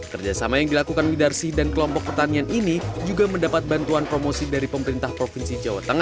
kerjasama yang dilakukan widarsi dan kelompok pertanian ini